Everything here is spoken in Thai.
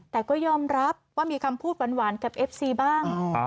แต่ก็ยอมรับว่ามีคำพูดหวานกับเอฟซีบ้าง